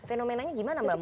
fenomenanya gimana mbak mutu